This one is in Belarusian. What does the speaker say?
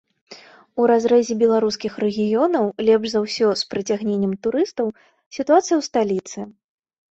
У разрэзе беларускіх рэгіёнаў лепш за ўсё з прыцягненнем турыстаў сітуацыя ў сталіцы.